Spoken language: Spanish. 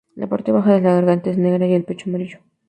La parte baja de la garganta es negra y el pecho amarillo.